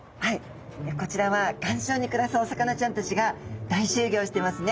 こちらは岩礁に暮らすお魚ちゃんたちが大集合してますね。